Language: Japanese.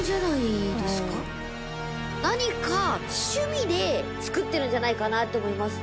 何か趣味で造ってるんじゃないかなって思いますね。